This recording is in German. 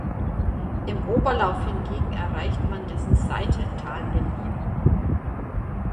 Im Oberlauf hingegen erreicht man dessen Seitental Bellino.